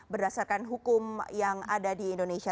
berdasarkan hukum yang ada di indonesia